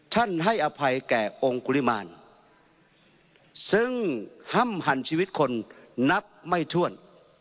ให้อภัยแก่องค์กุริมารซึ่งห้ามหันชีวิตคนนับไม่ถ้วน